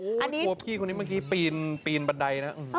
โอ้โหพูดว่าพี่คนนี้เมื่อกี้ปีนปีนบันไดนะ